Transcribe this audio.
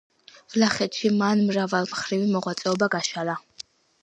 ვლახეთში მან მრავალმხრივი მოღვაწეობა გაშალა.